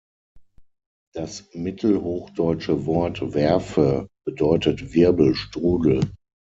Das "mittelhochdeutsche Wort werve" bedeutet "„Wirbel, Strudel“"".